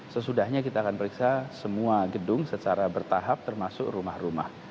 sesudahnya kita akan periksa semua gedung secara bertahap termasuk rumah rumah